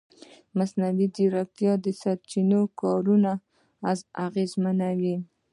مصنوعي ځیرکتیا د سرچینو کارونه اغېزمنوي.